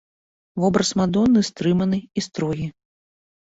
Вобраз мадонны стрыманы і строгі.